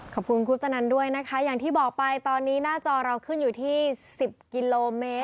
ขอบคุณครูปตะนันด้วยนะครับตอนนี้หน้าจอเราขึ้นอยู่ที่๑๐กิโลเมตร